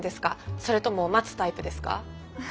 それとも待つタイプですか？